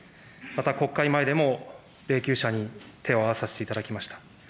また国会前でも霊きゅう車に手を合わさせていただきました。